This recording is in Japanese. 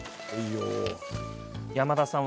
山田さん